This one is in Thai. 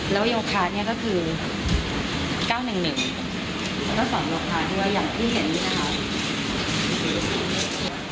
แล้วยโยคะเนี้ยก็คือเก้าหนึ่งหนึ่งแล้วก็สองโยคะด้วยอย่างที่เห็นนี่นะครับ